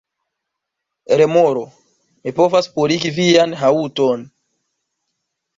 Remoro: "Mi povas purigi vian haŭton."